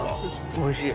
おいしい。